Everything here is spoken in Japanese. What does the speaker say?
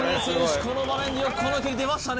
この場面でよくこの蹴り出ましたね